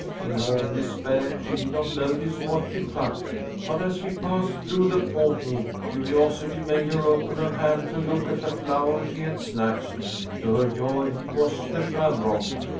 In her despair she did not notice what she plucked, but, as she passed through the portal, curiosity made her open her hand to look at the flower she had snatched. To her joy it was the shamrock.